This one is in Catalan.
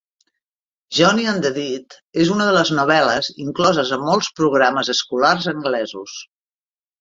"Johnny and the Dead" és una de les novel·les incloses a molts programes escolars anglesos.